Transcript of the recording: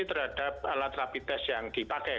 terhadap alat rapid test yang dipakai